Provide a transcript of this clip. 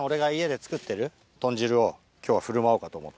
今日は振る舞おうかと思って。